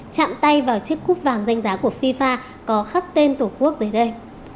chạm tay vào chiếc cúp vàng danh giá của fifa có khắc tên tổ quốc dưới đây